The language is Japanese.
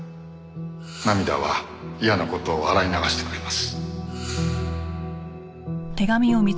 涙は嫌な事を洗い流してくれます。